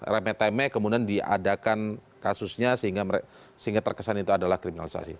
remeh temeh kemudian diadakan kasusnya sehingga terkesan itu adalah kriminalisasi